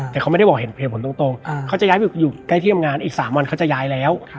แต่เขาไม่ได้บอกเห็นเหตุผลตรงเขาจะย้ายไปอยู่ใกล้ที่ทำงานอีก๓วันเขาจะย้ายแล้ว